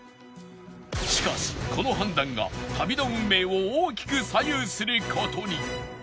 しかしこの判断が旅の運命を大きく左右する事に